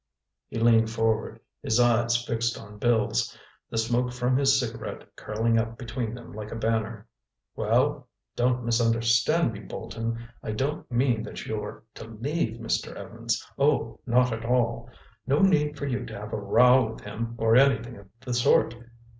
He leaned forward, his eyes fixed on Bill's, the smoke from his cigarette curling up between them like a banner. "Well? Don't misunderstand me, Bolton. I don't mean that you're to leave Mr. Evans. Oh, not at all. No need for you to have a row with him or anything of the sort.